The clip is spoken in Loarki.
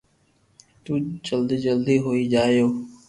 تو جلدو جلدو ھوئي جائيو